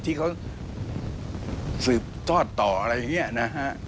ที่เขาสืบทอดต่ออะไรอย่างนี้นะฮะ